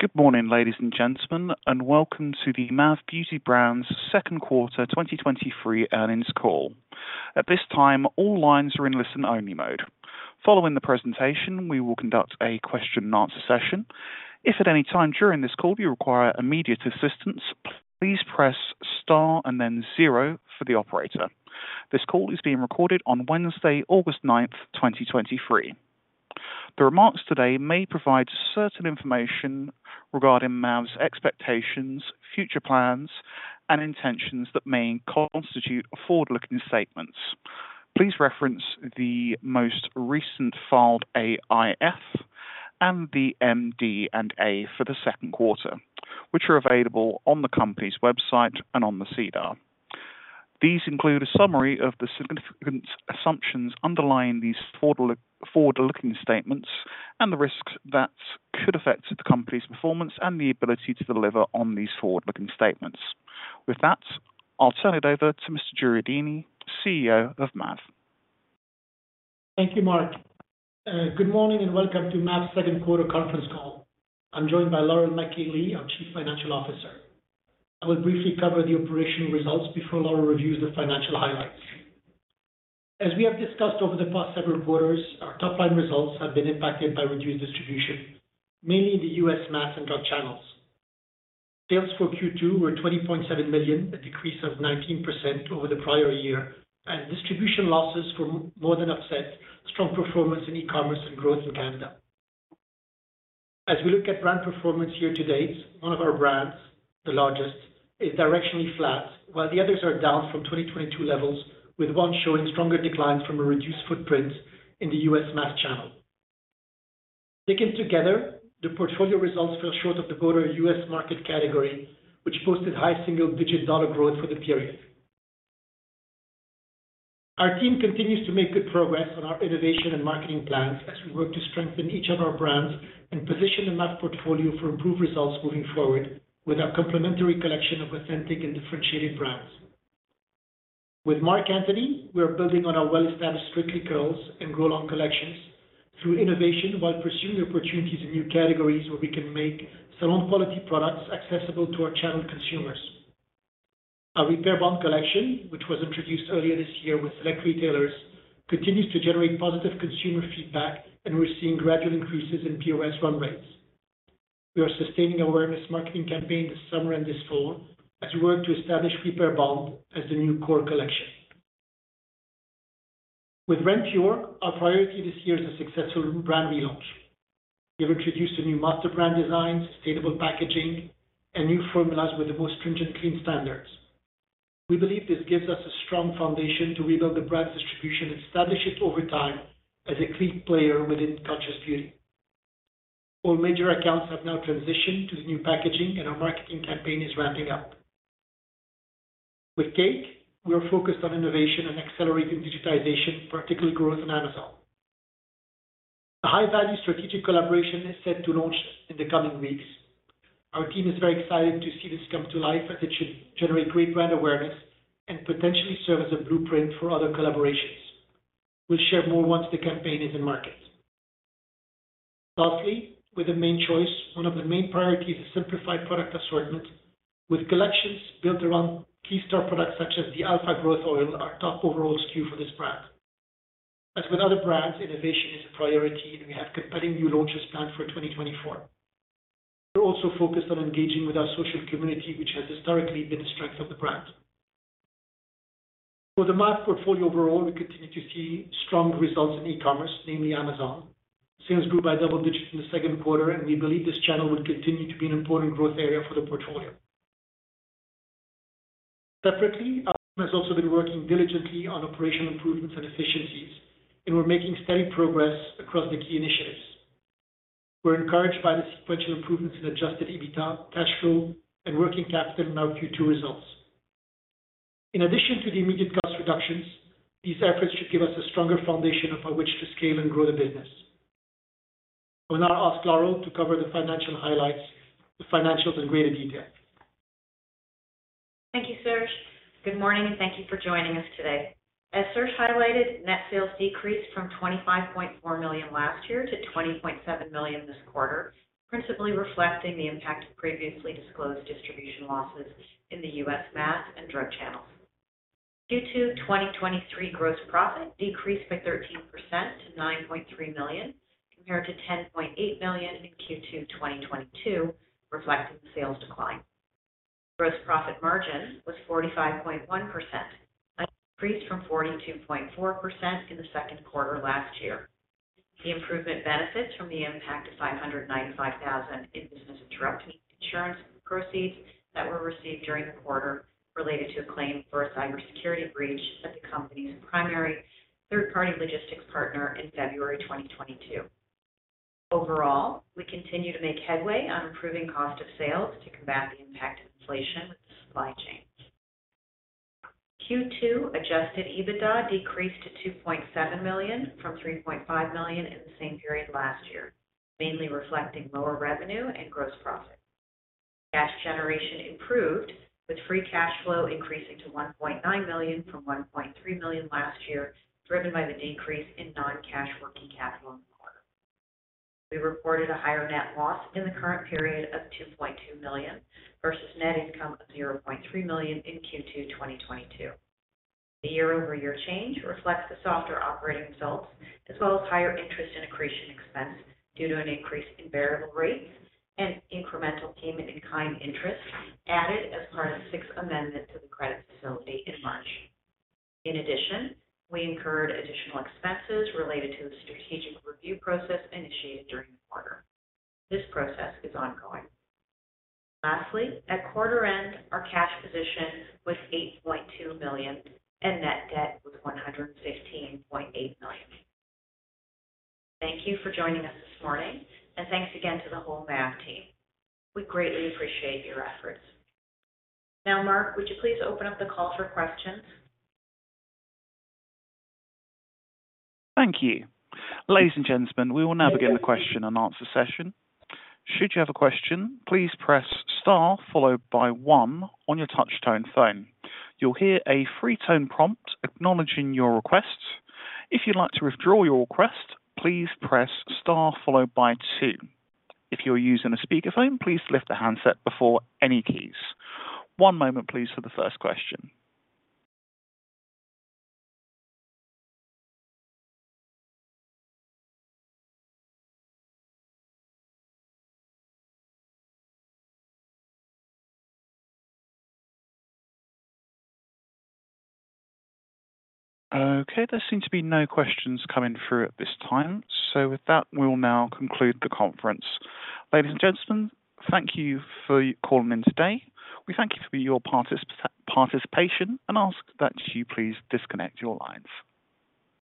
Good morning, ladies and gentlemen, welcome to the MAV Beauty Brands second quarter 2023 earnings call. At this time, all lines are in listen-only mode. Following the presentation, we will conduct a question and answer session. If at any time during this call you require immediate assistance, please press star and then 0 for the operator. This call is being recorded on Wednesday, August 9th, 2023. The remarks today may provide certain information regarding MAV's expectations, future plans, and intentions that may constitute forward-looking statements. Please reference the most recent filed AIF and the MD&A for the second quarter, which are available on the company's website and on the SEDAR. These include a summary of the significant assumptions underlying these forward-looking statements and the risks that could affect the company's performance and the ability to deliver on these forward-looking statements. With that, I'll turn it over to Mr. Jureidini, CEO of MAV. Thank you, Mark. Good morning, and welcome to MAV's second quarter conference call. I'm joined by Laurel MacKay-Lee, our Chief Financial Officer. I will briefly cover the operational results before Laurel reviews the financial highlights. As we have discussed over the past several quarters, our top-line results have been impacted by reduced distribution, mainly in the U.S. mass and drug channels. Sales for Q2 were $20.7 million, a decrease of 19% over the prior year, and distribution losses for more than offset strong performance in e-commerce and growth in Canada. As we look at brand performance year to date, one of our brands, the largest, is directionally flat, while the others are down from 2022 levels, with one showing stronger declines from a reduced footprint in the U.S. mass channel. Taken together, the portfolio results fell short of the broader US market category, which posted high single-digit dollar growth for the period. Our team continues to make good progress on our innovation and marketing plans as we work to strengthen each of our brands and position the MAV portfolio for improved results moving forward with our complementary collection of authentic and differentiated brands. With Marc Anthony, we are building on our well-established Strictly Curls and Grow Long collections through innovation, while pursuing opportunities in new categories where we can make salon-quality products accessible to our channel consumers. Our Repair Bond collection, which was introduced earlier this year with select retailers, continues to generate positive consumer feedback, and we're seeing gradual increases in POS run rates. We are sustaining awareness marketing campaign this summer and this fall as we work to establish Repair Bond as the new core collection. With Renpure, our priority this year is a successful brand relaunch. We have introduced a new master brand design, sustainable packaging, and new formulas with the most stringent clean standards. We believe this gives us a strong foundation to rebuild the brand's distribution and establish it over time as a key player within conscious beauty. All major accounts have now transitioned to the new packaging, and our marketing campaign is ramping up. With Cake, we are focused on innovation and accelerating digitization, particularly growth on Amazon. A high-value strategic collaboration is set to launch in the coming weeks. Our team is very excited to see this come to life as it should generate great brand awareness and potentially serve as a blueprint for other collaborations. We'll share more once the campaign is in market. Lastly, with The Mane Choice, one of the main priorities is simplified product assortment, with collections built around key star products such as the Alpha Growth Oil, our top overall SKU for this brand. As with other brands, innovation is a priority, and we have compelling new launches planned for 2024. We're also focused on engaging with our social community, which has historically been the strength of the brand. For the MAV portfolio overall, we continue to see strong results in e-commerce, namely Amazon. Sales grew by double digits in the second quarter, and we believe this channel will continue to be an important growth area for the portfolio. Separately, our team has also been working diligently on operational improvements and efficiencies, and we're making steady progress across the key initiatives. We're encouraged by the sequential improvements in Adjusted EBITDA, cash flow, and working capital in our Q2 results. In addition to the immediate cost reductions, these efforts should give us a stronger foundation upon which to scale and grow the business. I will now ask Laurel to cover the financial highlights, the financials in greater detail. Thank you, Serge. Good morning, and thank you for joining us today. As Serge highlighted, net sales decreased from $25.4 million last year to $20.7 million this quarter, principally reflecting the impact of previously disclosed distribution losses in the US mass and drug channels. Q2 2023 gross profit decreased by 13% to $9.3 million, compared to $10.8 million in Q2 2022, reflecting the sales decline. Gross profit margin was 45.1%, increased from 42.4% in the second quarter last year. The improvement benefits from the impact of $595,000 in business interruption insurance proceeds that were received during the quarter related to a claim for a cybersecurity breach at the company's primary third-party logistics partner in February 2022. Overall, we continue to make headway on improving cost of sales to combat the impact of inflation with the supply chains. Q2 Adjusted EBITDA decreased to $2.7 million from $3.5 million in the same period last year, mainly reflecting lower revenue and gross profit. Cash generation improved, with free cash flow increasing to $1.9 million from $1.3 million last year, driven by the decrease in non-cash working capital in the quarter. We reported a higher net loss in the current period of $2.2 million versus net income of $0.3 million in Q2 2022. The year-over-year change reflects the softer operating results, as well as higher interest and accretion expense due to an increase in variable rates and incremental payment-in-kind interest added as part of the sixth amendment to the credit facility in March. In addition, we incurred additional expenses related to the strategic review process initiated during the quarter. This process is ongoing. Lastly, at quarter end, our cash position was 8.2 million, and net debt was 116.8 million. Thank you for joining us this morning, and thanks again to the whole MAV team. We greatly appreciate your efforts. Now, Mark, would you please open up the call for questions? Thank you. Ladies and gentlemen, we will now begin the question and answer session. Should you have a question, please press star followed by 1 on your touchtone phone. You'll hear a three-tone prompt acknowledging your request. If you'd like to withdraw your request, please press star followed by 2. If you're using a speakerphone, please lift the handset before any keys. One moment, please, for the first question. Okay, there seem to be no questions coming through at this time, so with that, we'll now conclude the conference. Ladies and gentlemen, thank you for calling in today. We thank you for your particip-participation and ask that you please disconnect your lines.